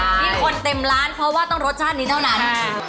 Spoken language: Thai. ที่คนเต็มร้านเพราะว่าต้องรสชาตินี้เท่านั้น